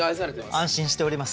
安心しております。